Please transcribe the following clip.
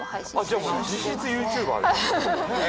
じゃあもう実質ＹｏｕＴｕｂｅｒですね。